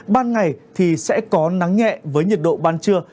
ban ngày thì sẽ có nắng nhẹ với nhiệt độ ban trưa